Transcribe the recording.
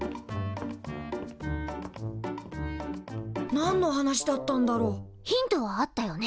なんの話だったんだろう？ヒントはあったよね。